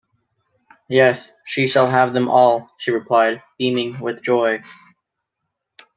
“Yes, she shall have them all,” she replied, beaming with joy.